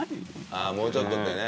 ああ「もうちょっと」ってね。